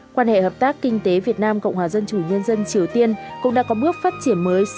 quan hệ hợp tác kinh tế việt nam cộng hòa dân chủ nhân dân triều tiên cũng đã có bước phát triển mới